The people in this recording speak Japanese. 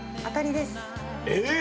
えっ？